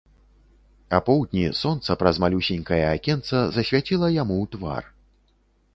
Апоўдні сонца праз малюсенькае акенца засвяціла яму ў твар.